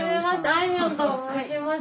あいみょんと申します。